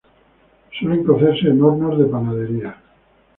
Suelen cocerse en hornos de panadería.